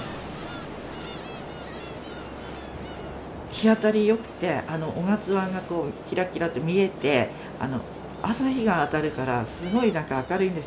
日当たりよくてあの雄勝湾がこうキラキラと見えてあの朝日が当たるからすごい何か明るいんですよ。